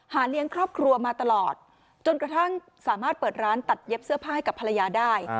เลี้ยงครอบครัวมาตลอดจนกระทั่งสามารถเปิดร้านตัดเย็บเสื้อผ้าให้กับภรรยาได้